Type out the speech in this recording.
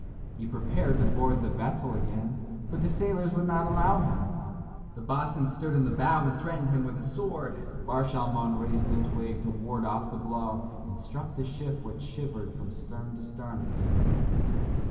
He prepared to board the vessel again, but the sailors would not allow him. The boatswain stood in the bow and threatened him with a sword. Bar Shalmon raised the twig to ward off the blow and struck the ship which shivered from stern to stern again.